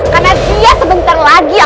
karena dia sebentar lagi akan jadi nyatu